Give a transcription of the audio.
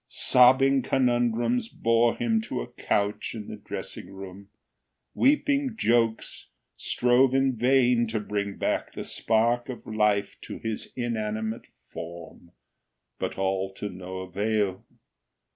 Sobbing Conundrums bore him to a couch in the dressing room. Weeping Jokes strove in vain to bring back the spark of life to his inanimate form. But all to no avail.